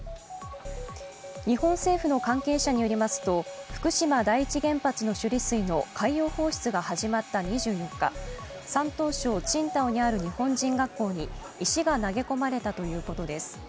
日本政府の関係者によりますと福島第一原発の処理水の海洋放出が始まった２４日、山東省・青島にある日本人学校に石が投げ込まれたということです。